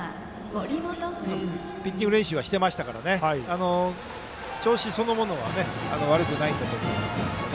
ピッチング練習はしていましたから調子そのものは悪くないんだと思いますが。